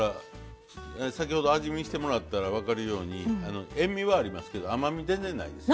先ほど味見してもらったら分かるように塩味はありますけど甘み全然ないです。